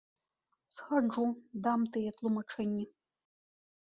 Схаджу, дам тыя тлумачэнні.